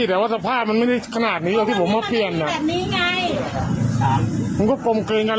แต่ว่าสภาพมันไม่ได้ขนาดนี้หรอกที่ผมมาเปลี่ยนอ่ะแบบนี้ไงมันก็กลมกลืนกัน